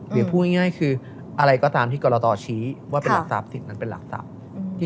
หรือพูดง่ายคืออะไรก็ตามที่กรตชี้ว่าเป็นหลักทรัพย์สิทธิ์นั้นเป็นหลักทรัพย์